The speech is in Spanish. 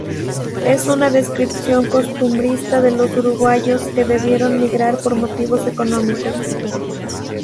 Es una descripción costumbrista de los uruguayos que debieron migrar por motivos económicos.